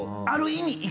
ある意味。